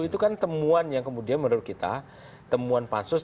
itu kan temuan yang kemudian menurut kita temuan pansus